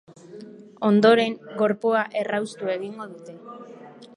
Ondoren, gorpua erraustu egingo dute.